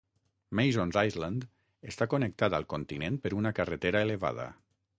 Mason's Island està connectada al continent per una carretera elevada.